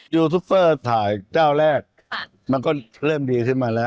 ยูทูปเปอร์ถ่ายเจ้าแรกมันก็เริ่มดีขึ้นมาแล้ว